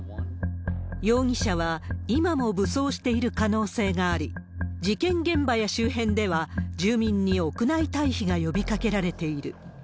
容疑者は今も武装している可能性があり、事件現場や周辺では住民に屋内退避が呼びかけられている。